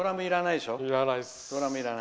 いらないです。